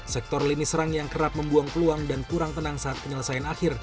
sektor lini serang yang kerap membuang peluang dan kurang tenang saat penyelesaian akhir